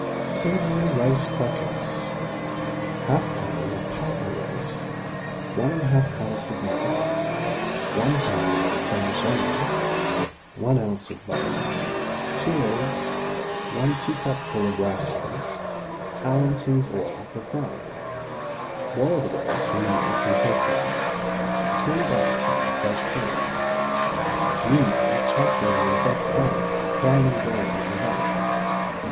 SAVOURY RICE CROQUETTES. 1/2 lb. of Patna rice, 1 1/2 pints of milk, 1 lb. of Spanish onions, 1 oz. of butter, 2 eggs, 1 teacupful of raspings, Allinson's oil for frying. Boil the rice in the milk until soft, and turn it out to get quite cold. Meanwhile chop the onions up fine and fry them brown in the butter.